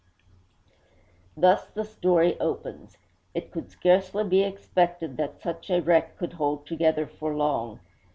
Thus the story opens. It could scarcely be expected that such a wreck could hold together for long.